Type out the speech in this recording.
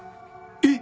えっ？